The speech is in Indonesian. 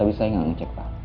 tapi saya tidak mengecek pak